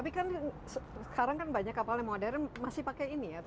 tapi kan sekarang kan banyak kapal yang modern masih pakai ini ya